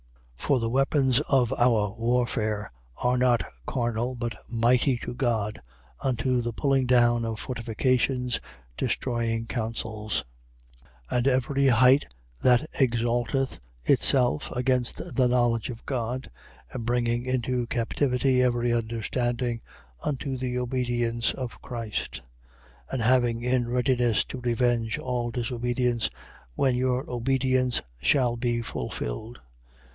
10:4. For the weapons of our warfare are not carnal but mighty to God, unto the pulling down of fortifications, destroying counsels, 10:5. And every height that exalteth itself against the knowledge of God: and bringing into captivity every understanding unto the obedience of Christ: 10:6. And having in readiness to revenge all disobedience, when your obedience shall be fulfilled.